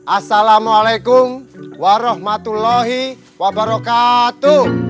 assalamualaikum warahmatullahi wabarakatuh